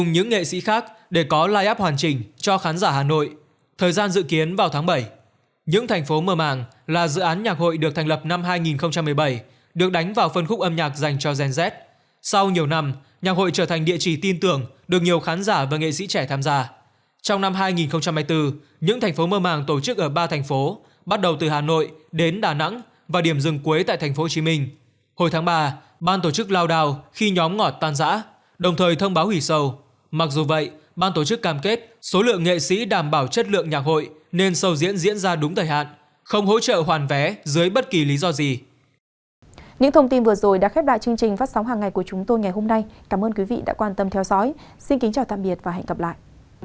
những thông tin vừa rồi đã khép đại chương trình phát sóng hàng ngày của chúng tôi ngày hôm nay cảm ơn quý vị đã quan tâm theo dõi xin kính chào tạm biệt và hẹn gặp lại